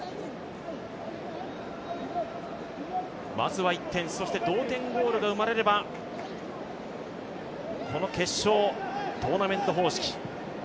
まずは１点、そして同点ゴールが生まれればこの決勝トーナメント方式。